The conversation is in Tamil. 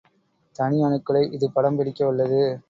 தனி அணுக்களை இது படம் பிடிக்க வல்லது.